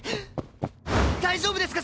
大丈夫ですか？